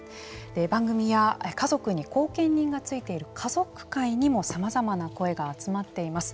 番組や家族に後見人がついている家族会にもさまざまな声が集まっています。